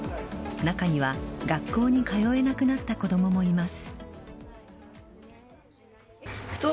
中には学校に通えなくなった子供もいます。